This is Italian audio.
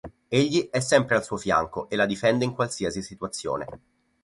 Egli è sempre al suo fianco e la difende in qualsiasi situazione.